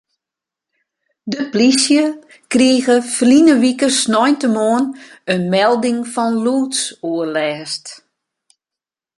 De polysje krige ferline wike sneintemoarn in melding fan lûdsoerlêst.